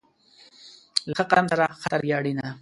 له ښه قلم سره، ښه تربیه اړینه ده.